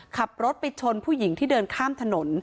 ขับรถไปชนผู้หญิงที่เดินข้ามถนน